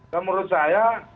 dan menurut saya